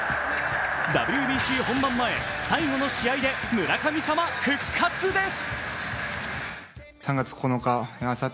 ＷＢＣ本番前、最後の試合で村神様復活です。